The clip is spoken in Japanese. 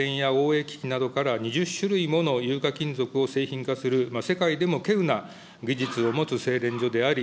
廃棄された家電やＯＡ機器などから２０種類ものゆうか金属を製品化する世界でも稀有な技術を持つせいれん所であり、